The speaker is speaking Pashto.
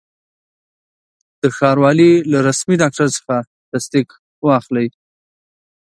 د ښاروالي له رسمي ډاکټر څخه تصدیق را واخلئ.